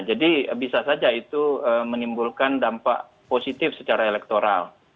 jadi bisa saja itu menimbulkan dampak positif secara elektoral